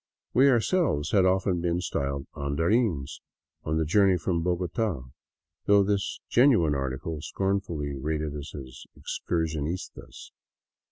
We ourselves had often been styled " andar ines " on the journey from Bogota, though this genuine article scorn fully rated us " excursionistas."